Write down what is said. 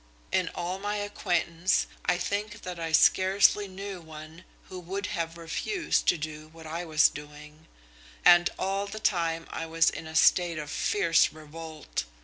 In all my acquaintance I think that I scarcely knew one who would have refused to do what I was doing. And all the time I was in a state of fierce revolt.